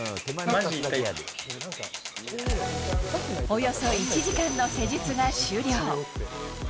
およそ１時間の施術が終了。